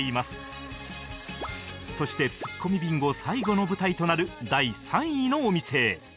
そしてツッコミビンゴ最後の舞台となる第３位のお店へ